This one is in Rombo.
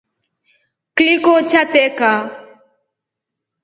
Kliko chatreka.